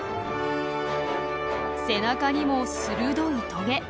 背中にも鋭いトゲ。